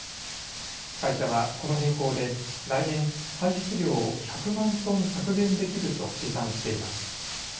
会社はこの変更で来年、排出量を１００万トン削減できると試算しています。